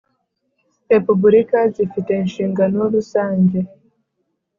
Repubulika zifite inshingano rusange